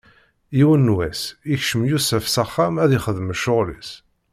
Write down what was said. Yiwen n wass, ikcem Yusef s axxam ad ixdem ccɣwel-is.